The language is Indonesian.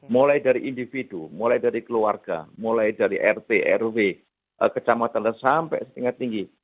mulai dari individu mulai dari keluarga mulai dari rt rw kecamatan dan sampai tingkat tinggi